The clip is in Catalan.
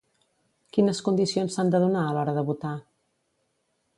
Quines condicions s'han de donar a l'hora de votar?